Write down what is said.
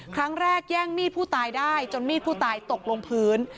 ครั้งแรกแย่งมีดผู้ตายได้จนมีดผู้ตายตกลงพื้น